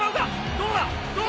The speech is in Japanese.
どうだ？